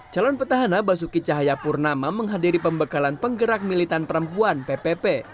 calon petahana basuki cahayapurnama menghadiri pembekalan penggerak militan perempuan ppp